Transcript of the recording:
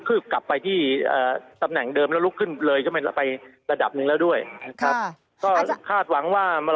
เออไม่ใช่เอาใหม่